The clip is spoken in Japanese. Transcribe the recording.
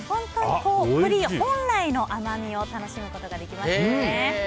栗本来の甘みを楽しむことができますよね。